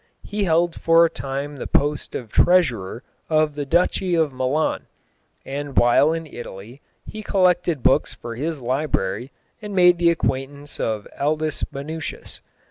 He held for a time the post of Treasurer of the Duchy of Milan, and while in Italy he collected books for his library and made the acquaintance of Aldus Manutius.